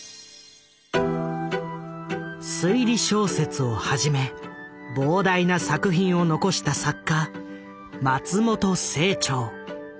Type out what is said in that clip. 推理小説をはじめ膨大な作品を残した作家松本清張。